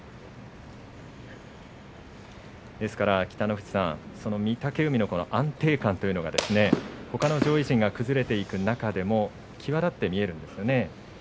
北の富士さん、御嶽海の安定感というのはほかの上位陣が崩れていく中で際立って見えるんですよね。